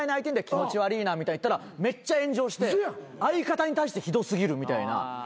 気持ち悪いな」みたいに言ったらめっちゃ炎上して相方に対してひど過ぎるみたいな。